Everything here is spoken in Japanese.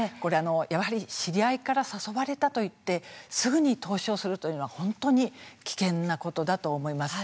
やはり知り合いから誘われたといってすぐに投資をするというのは本当に危険なことだと思います。